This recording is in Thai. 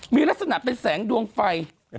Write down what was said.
มีลักษณะเป็นแสงดวงไฟ